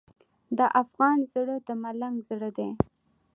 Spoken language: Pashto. د افغان زړه د ملنګ زړه دی.